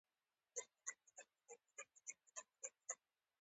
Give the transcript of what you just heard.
ده به ویل زه د خوست هندو یم.